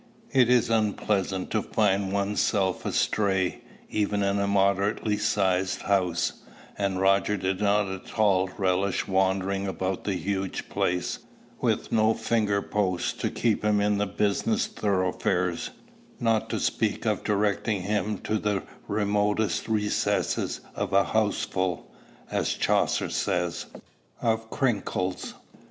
It is unpleasant to find one's self astray, even in a moderately sized house; and Roger did not at all relish wandering about the huge place, with no finger posts to keep him in its business thoroughfares, not to speak of directing him to the remotest recesses of a house "full," as Chaucer says, "of crenkles."